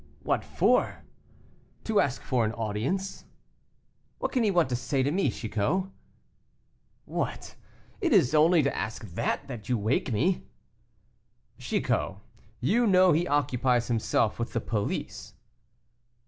"What for?" "To ask for an audience. What can he want to say to me, Chicot?" "What! it is only to ask that, that you wake me?" "Chicot, you know he occupies himself with the police."